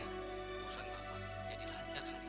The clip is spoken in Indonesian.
usuan bapak jadi lancar hari ini nen